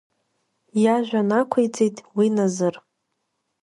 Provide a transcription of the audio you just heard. Иажәа нақәиҵеит уи Назыр.